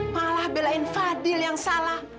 malah belain fadil yang salah